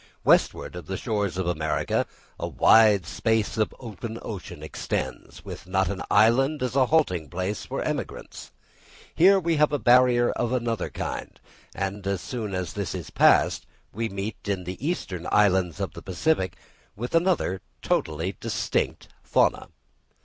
Westward of the shores of America, a wide space of open ocean extends, with not an island as a halting place for emigrants; here we have a barrier of another kind, and as soon as this is passed we meet in the eastern islands of the Pacific with another and totally distinct fauna.